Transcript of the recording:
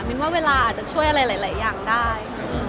ว่าเวลาอาจจะช่วยอะไรหลายอย่างได้